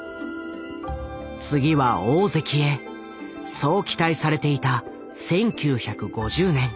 次は大関へそう期待されていた１９５０年。